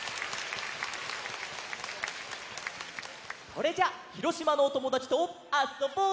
それじゃあ広島のおともだちとあっそぼう！